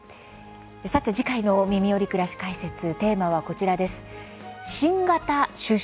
さて次回の「みみより！くらし解説」テーマは、こちらです。